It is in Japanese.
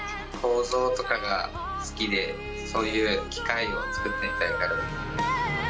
構造とかが好きで、そういう機械を作ってみたい。